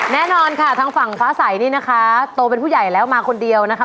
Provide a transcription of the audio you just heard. แน่นอนค่ะทางฝั่งฟ้าใสนี่นะคะโตเป็นผู้ใหญ่แล้วมาคนเดียวนะคะ